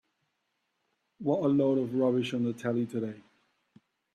What a load of rubbish on the telly today.